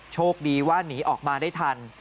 โชคดีว่าหนีออกมาได้ทัน